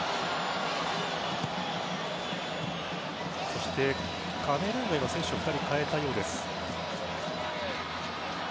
そして、カメルーンが選手を２人、代えたようです。